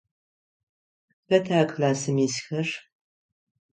Хэта классым исхэр?